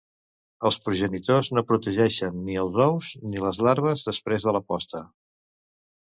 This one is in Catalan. Els progenitors no protegeixen ni els ous ni les larves després de la posta.